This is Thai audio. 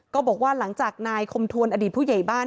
ก็บอกว่าหลังจากนายคมทวนอดีตผู้ใหญ่บ้าน